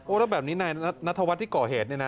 แล้วแบบนี้นายนัทวัฒน์ที่ก่อเหตุเนี่ยนะ